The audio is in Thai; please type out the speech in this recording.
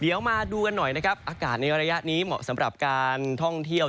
เดี๋ยวมาดูกันหน่อยนะครับอากาศในระยะนี้เหมาะสำหรับการท่องเที่ยว